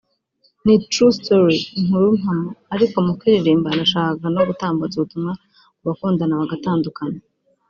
ni true story [inkuru mpamo] ariko mu kuyiririmba nashakaga no gutambutsa ubutumwa ku bakundana bagatandukana